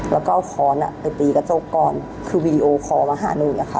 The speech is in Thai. แล้วก็เอาค้อนไปตีกระจกก่อนคือวีดีโอคอลมาหาหนูอีกอะค่ะ